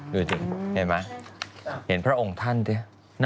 ดูสิเห็นไหมเห็นพระองค์ท่านสิ